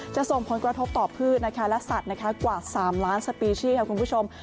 ส่งผลกระทบต่อพืชและสัตว์กว่า๓ล้านสปีชีค่ะคุณผู้ชม